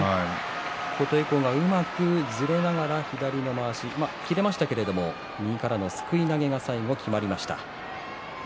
琴恵光がうまくずれながら左のまわし、切れましたけれども右からのすくい投げが最後きまりました。